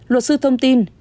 luật sư thông tin